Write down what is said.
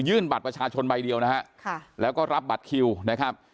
บัตรประชาชนใบเดียวนะฮะค่ะแล้วก็รับบัตรคิวนะครับ